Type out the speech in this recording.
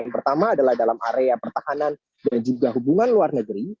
yang pertama adalah dalam area pertahanan dan juga hubungan luar negeri